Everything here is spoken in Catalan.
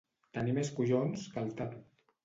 Tenir més collons que el Tato.